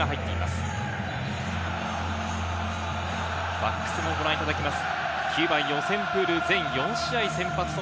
バックスもご覧いただきます。